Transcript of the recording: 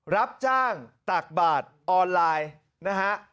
รับจ้างตักบาทออนไลน์นะฮะ